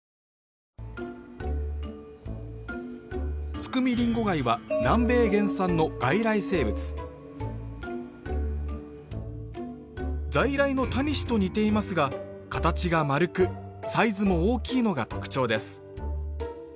スクミリンゴガイは南米原産の外来生物在来のタニシと似ていますが形が丸くサイズも大きいのが特徴です